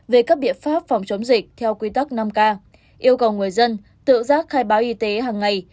về các biện pháp phòng chống dịch theo quy tắc năm k yêu cầu người dân tự giác khai báo y tế hàng ngày